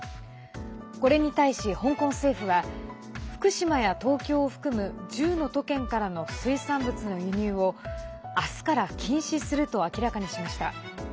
これに対し、香港政府は福島や東京を含む１０の都県からの水産物の輸入を明日から禁止すると明らかにしました。